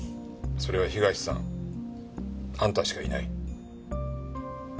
それは東さんあんたしかいない。